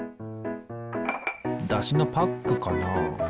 だしのパックかな？